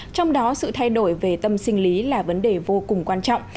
trong đó sự thay đổi về tâm sinh lý là vấn đề vô cùng quan trọng